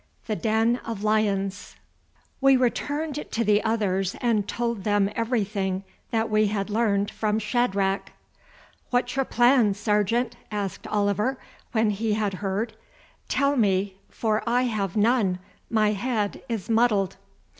THE DEN OF LIONS We returned to the others and told them everything that we had learned from Shadrach. "What's your plan, Sergeant?" asked Oliver when he had heard. "Tell me, for I have none; my head is muddled."